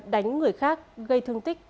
đánh người khác gây thương tích